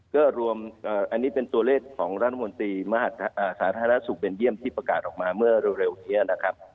ก็รวมอันนี้เป็นตัวเลขของรัฐมนตรีสาธารณสุขเบนเยี่ยมที่ประกาศออกมาเมื่อเร็วนี้นะครับ